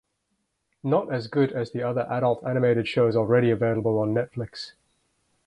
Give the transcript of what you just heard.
Not as good as the other adult animated shows already available on Netflix.